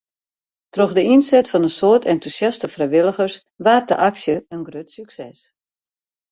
Troch de ynset fan in soad entûsjaste frijwilligers waard de aksje in grut sukses.